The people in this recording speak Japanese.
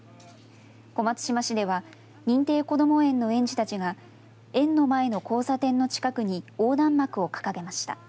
小松島市では認定こども園の園児たちが園の前の交差点の近くに横断幕を掲げました。